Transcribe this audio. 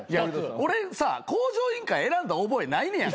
俺さ『向上委員会』選んだ覚えないねや。